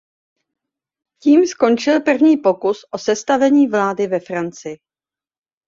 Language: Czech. Tím skončil první pokus o sestavení vlády ve Francii.